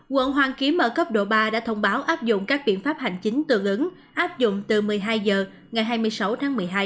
quận hoàn kiếm ở cấp độ ba đã thông báo áp dụng các biện pháp hành chính tương ứng áp dụng từ một mươi hai h ngày hai mươi sáu tháng một mươi hai